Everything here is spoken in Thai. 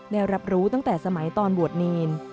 ได้รับรู้ตั้งแต่สมัยตอนบวชเนร